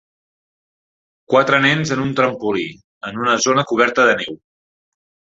Quatre nens en un trampolí, en una zona coberta de neu.